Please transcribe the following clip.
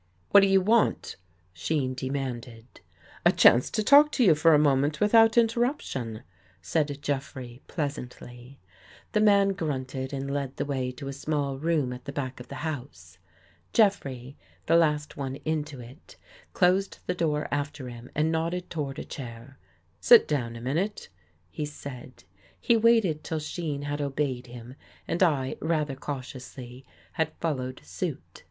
What do you want? " Shean demanded. " A chance to talk to you for a moment without interruption," said Jeffrey pleasantly. The man grunted and led the way to a small room at the back of the house. Jeffrey, the last one into it, closed the door after him and nodded toward a chair. " Sit down a min ute," he said. He waited till Shean had obeyed him and I, rather cautiously, had followed suit.